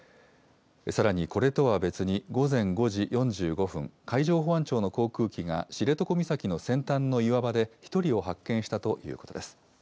さらにこれとは別に、午前５時４５分、海上保安庁の航空機が知床岬の先端の岩場で１人を発見したということです。